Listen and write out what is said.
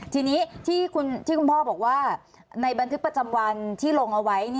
ทีนี้ที่คุณพ่อบอกว่าในบันทึกประจำวันที่ลงเอาไว้